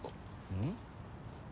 うん？